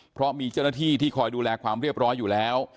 เพราะมีเจ้าหน้าที่ที่คอยดูแลความเรียบร้อยอยู่แล้ว